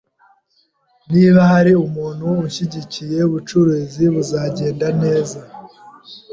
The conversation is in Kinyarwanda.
Niba hari umuntu unshyigikiye, ubucuruzi buzagenda neza.